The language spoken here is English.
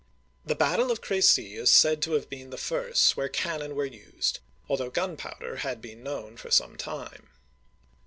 The battle of Cr^cy is said to have been the first where cannon were used, although gunpowder had been known for some time.